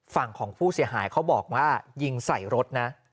ฝั่งของผู้เสียหายเขาบอกว่ายิงใส่รถนะ